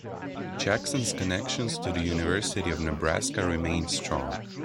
Jackson's connections to the University of Nebraska remain strong.